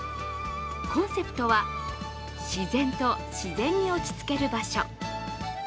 コンセプトは、自然と自然に落ち着ける場所。